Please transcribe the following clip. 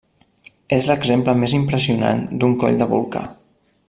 És l'exemple més impressionant d'un coll de volcà.